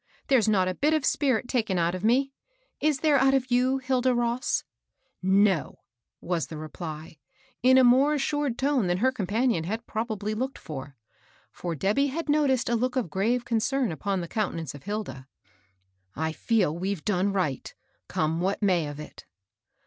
There's not a bit of spirit taken out of me ; is there out of you, Hilda Ross ?"" No !'* was the reply, in a more assured tone than her companion had probably looked for ; for Debby had noticed a look of grave concern upon the countenance of Hilda. " I feel we've done right, come what may of it."